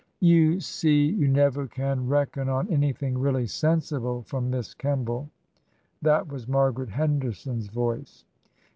" You see you never can reckon on anything really sensible from Miss Kemball." That was Margaret Henderson's voice.